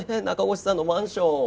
中越さんのマンション。